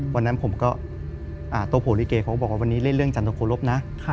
วันนั้นผมก็โตโผลิเกเขาก็บอกว่าวันนี้เล่นเรื่องจันทโครบนะ